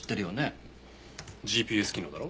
ＧＰＳ機能だろ？